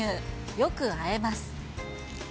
よくあえます。